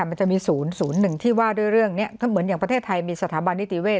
มันจะมีศูนย์ศูนย์หนึ่งที่ว่าด้วยเรื่องเนี้ยเขาเหมือนอย่างประเทศไทยมีสถาบันนิติเวช